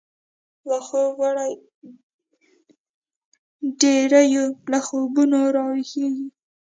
لاخوب وړی دپیړیو، له خوبونو راویښیږی